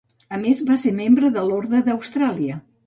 A més va ser membre de l'Orde d'Austràlia.